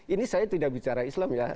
ini saya tidak bicara islam ya